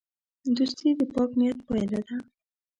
دوستي د پاک نیت پایله ده.